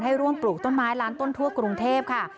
ร่วมปลูกต้นไม้ล้านต้นทั่วกรุงเทพค่ะ